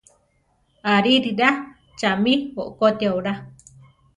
Aririra! chami okotia olá.